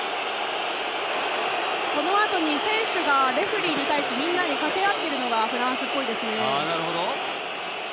そのあと選手がレフリーに対してみんなで掛け合っているのがフランスっぽいですね。